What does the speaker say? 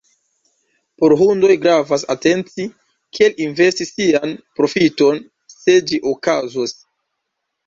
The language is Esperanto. Por Hundoj gravas atenti, kiel investi sian profiton, se ĝi okazos.